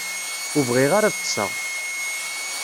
Ur bɣiɣ ara ad ṭṭseɣ.